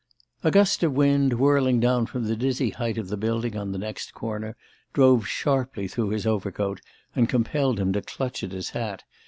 A gust of wind, whirling down from the dizzy height of the building on the next corner, drove sharply through his overcoat and compelled him to clutch at his hat.